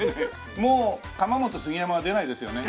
もう釜本杉山は出ないですよね。